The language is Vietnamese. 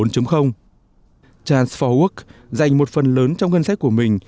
trans bốn work dành một phần lớn trong ngân sách của mình